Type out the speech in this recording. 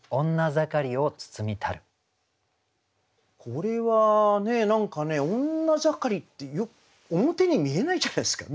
これは何か女盛りって表に見えないじゃないですか。